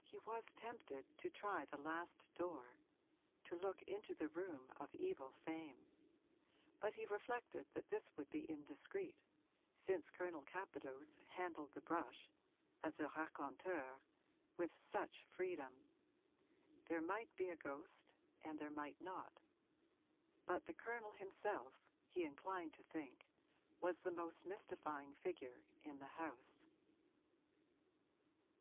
He was tempted to try the last door to look into the room of evil fame; but he reflected that this would be indiscreet, since Colonel Capadose handled the brush as a raconteur with such freedom. There might be a ghost and there might not; but the Colonel himself, he inclined to think, was the most mystifying figure in the house.